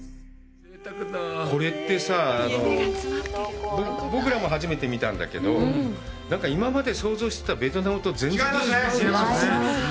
これってさ、僕らも初めて見たんだけど、なんか今まで想像してたベトナムと全然違うよね。